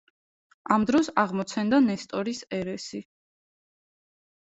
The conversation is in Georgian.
ამ დროს აღმოცენდა ნესტორის ერესი.